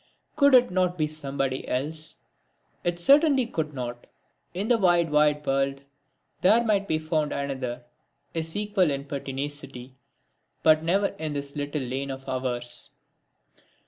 Could it not be somebody else? It certainly could not! In the wide wide world there might be found another, his equal in pertinacity, but never in this little lane of ours.